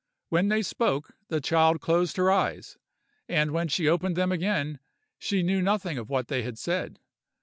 When they spoke, the child closed her eyes, and when she opened them again, she knew nothing of what they had said.